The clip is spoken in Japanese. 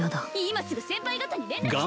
今すぐ先輩方に連絡して！